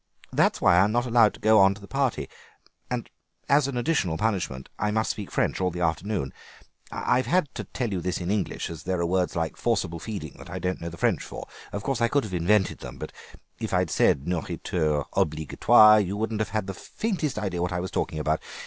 That is why I am not allowed to go to the party, and as an additional punishment I must speak French all the afternoon. I've had to tell you all this in English, as there were words like 'forcible feeding' that I didn't know the French for; of course I could have invented them, but if I had said nourriture obligatoire you wouldn't have had the least idea what I was talking about.